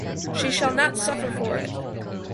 She shall not suffer for it!